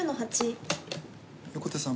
横手さん